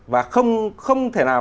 và không thể nào